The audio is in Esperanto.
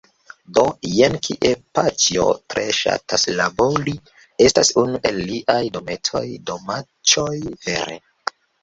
Do, jen kie paĉjo tre ŝatas labori estas unu el liaj dometoj, domaĉoj vere